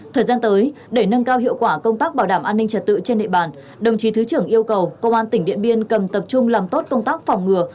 thời gian tới để nâng cao hiệu quả công tác bảo đảm an ninh trật tự trên địa bàn đồng chí thứ trưởng yêu cầu công an tỉnh điện biên cần tập trung làm tốt công tác phòng ngừa